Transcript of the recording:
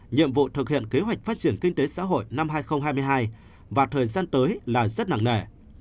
nhiệm vụ thực hiện kế hoạch phát triển kinh tế xã hội năm hai nghìn hai mươi hai và thời gian tới là rất nặng nề